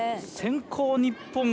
先攻日本